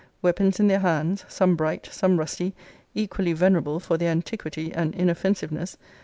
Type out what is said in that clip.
weapons in their hands, some bright, some rusty, equally venerable for their antiquity and inoffensiveness!